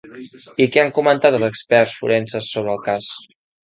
I què han comentat els experts forenses sobre el cas?